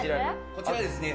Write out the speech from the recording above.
こちらはですね